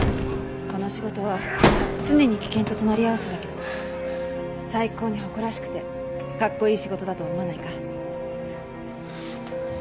この仕事は常に危険と隣り合わせだけど最高に誇らしくてカッコいい仕事だと思わないか？